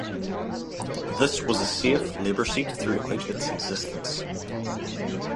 This was a safe Labour seat throughout its existence.